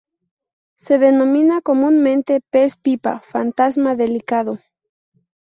Se denomina comúnmente pez pipa fantasma delicado.